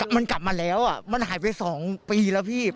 มันกลับมาแล้วมันหายไป๒ปีแล้วพี่